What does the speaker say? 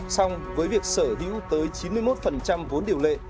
xong với việc sở hữu tới chín mươi một vốn điều lệ